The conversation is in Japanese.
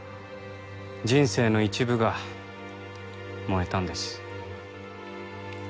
人生の一部が燃えたんです。